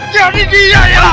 jadi dia ya